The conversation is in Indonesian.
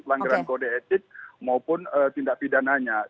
pelanggaran kode etik maupun tindak pidananya